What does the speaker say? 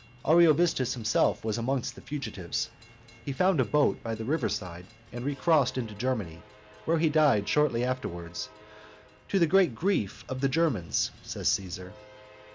Ariovistus himself was amongst the fugitives; he found a boat by the river side, and recrossed into Germany, where he died shortly afterwards, "to the great grief of the Germans," says Caesar.